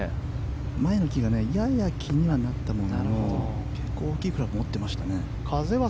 前の木がやや気にはなってたものの大きいクラブを持っていました。